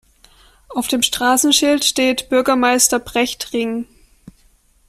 Auf dem Straßenschild steht Bürgermeister-Brecht-Ring.